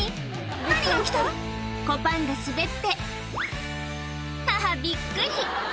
何が起きた⁉」子パンダ滑って母びっくり